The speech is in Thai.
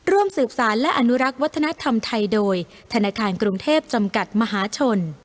ร่วมสืบสารและอนุรักษ์วัฒนธรรมไทยโดยธนาคารกรุงเทพจำกัดมหาชน